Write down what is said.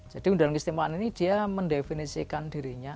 jadi undang undang kestimewaan ini dia mendefinisikan dirinya